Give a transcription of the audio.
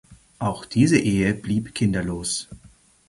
Auch diese Ehe blieb kinderlos.